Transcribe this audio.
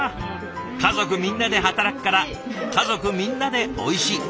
家族みんなで働くから家族みんなでおいしい！